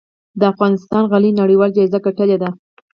د افغانستان غالۍ نړیوال جایزې ګټلي دي